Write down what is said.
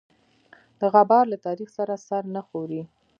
د غبار له تاریخ سره سر نه خوري.